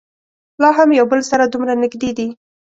لا هم یو بل سره دومره نږدې دي.